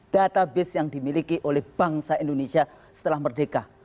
data base yang dimiliki oleh bangsa indonesia setelah merdeka